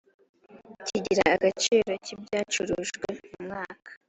kigira agaciro k’ ibyacurujwe mu mwaka .